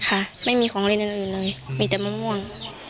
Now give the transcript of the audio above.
ไม่มีของเล่นอื่นเลยมีแต่มะม่วง